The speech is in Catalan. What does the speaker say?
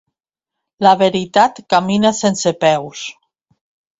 La veritat camina sense peus.